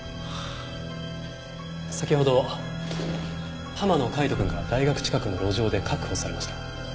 先ほど浜野海斗くんが大学近くの路上で確保されました。